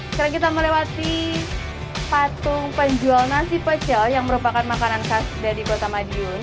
sekarang kita melewati patung penjual nasi pecel yang merupakan makanan khas dari kota madiun